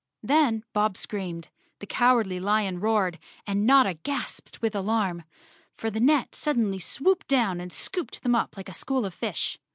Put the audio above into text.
Then Bob screamed, the Cowardly Lion roared and Notta gasped with alarm. For the net suddenly swooped down and scooped them up like a school of fish.